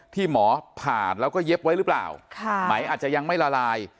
ที่หมอผ่านแล้วก็เย็บไว้หรือเปล่าไหมอาจจะยังไม่ละลาย